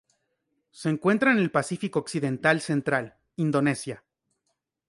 Se encuentra en el Pacífico occidental central: Indonesia.